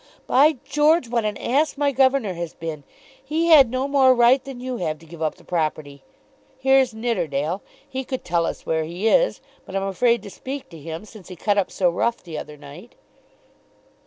By George, what an ass my governor has been. He had no more right than you have to give up the property. Here's Nidderdale. He could tell us where he is; but I'm afraid to speak to him since he cut up so rough the other night."